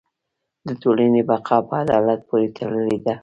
د ټولنې بقاء په عدالت پورې تړلې ده.